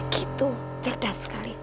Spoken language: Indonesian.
gitu cerdas sekali